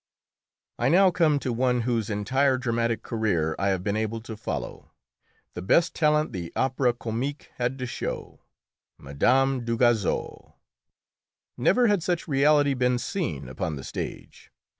I now come to one whose entire dramatic career I have been able to follow the best talent the Opéra Comique had to show, Mme. Dugazon. Never has such reality been seen upon the stage.